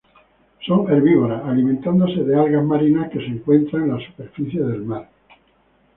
Son herbívoras, alimentándose de algas marinas que se encuentran en la superficie del mar.